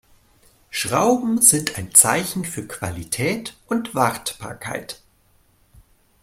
Schrauben sind ein Zeichen für Qualität und Wartbarkeit.